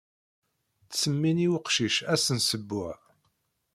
Ttsemmin i uqcic ass n sebuɛ.